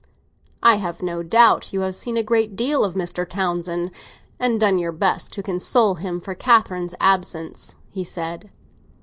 "I have no doubt you have seen a great deal of Mr. Townsend, and done your best to console him for Catherine's absence," he said.